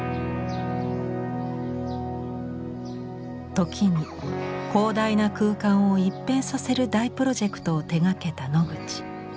時に広大な空間を一変させる大プロジェクトを手がけたノグチ。